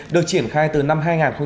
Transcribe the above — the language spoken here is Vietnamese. được triển khai từ năm hai nghìn một mươi